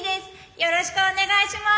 よろしくお願いします」。